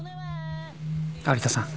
有田さん